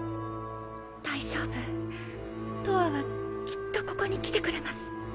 大丈夫とわはきっとここに来てくれます。